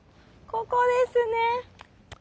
ここですね。